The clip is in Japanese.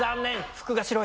服が白い。